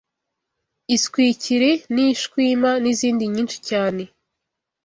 iswikiri n’ishwima n’izindi nyinshi cyane